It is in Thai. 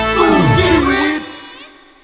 ชิคกี้พาย